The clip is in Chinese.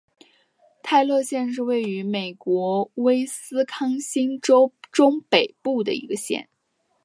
泰勒县是位于美国威斯康辛州中北部的一个县。